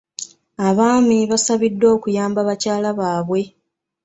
Abaami baasabiddwa okuyamba bakyala baabwe.